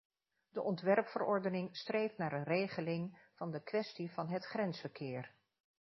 De ontwerpverordening streeft naar een regeling van de kwestie van het grensverkeer.